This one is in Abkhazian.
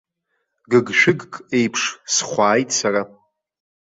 Гыгшәыгк еиԥш схәааит сара.